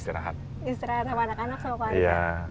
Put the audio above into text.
istirahat istirahat sama anak anak sama keluarga